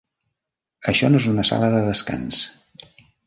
Això no és una sala de descans.